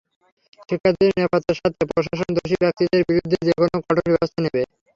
শিক্ষার্থীদের নিরাপত্তার স্বার্থে প্রশাসন দোষী ব্যক্তিদের বিরুদ্ধে যেকোনো কঠোর ব্যবস্থা নেবে।